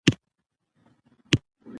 د ګلانو بوی روح تازه کوي.